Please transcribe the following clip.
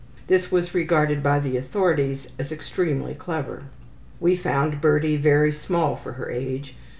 This was regarded by the authorities as extremely clever. We found Birdie very small for her age.